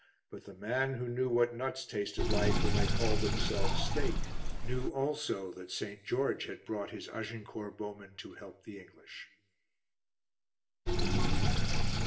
But the man who knew what nuts tasted like when they called themselves steak knew also that St. George had brought his Agincourt Bowmen to help the English.